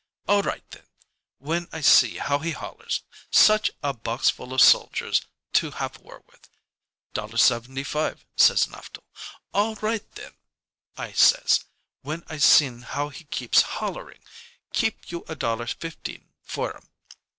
All right, then' when I see how he hollers 'such a box full of soldiers to have war with.' 'Dollar seventy five,' says Naftel. 'All right, then,' I says, when I seen how he keeps hollering. 'Give you a dollar fifteen for 'em.'